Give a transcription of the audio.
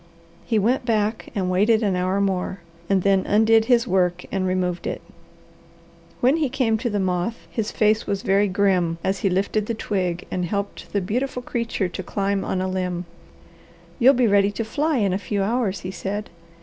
He went back and waited an hour more, and then undid his work and removed it. When he came to the moth his face was very grim as he lifted the twig and helped the beautiful creature to climb on a limb. "You'll be ready to fly in a few hours," he said.